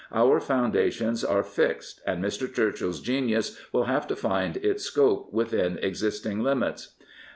Our foundations are fixed and Mr. Churchill's genius will have to find its scope within existing limits.